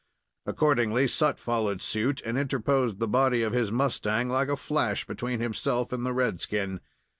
Accordingly, Sut followed suit and interposed the body of his mustang like a flash between himself and the red skin.